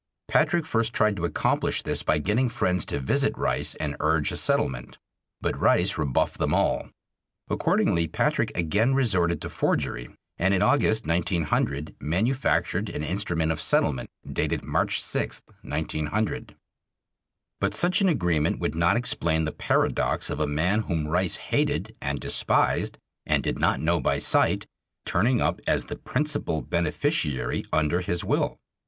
Patrick first tried to accomplish this by getting friends to visit Rice and urge a settlement. But Rice rebuffed them all. Accordingly, Patrick again resorted to forgery, and in August, 1900, manufactured an instrument of settlement, dated March 6, 1900. But such an agreement would not explain the paradox of a man whom Rice hated and despised and did not know by sight turning up as the principal beneficiary under his will.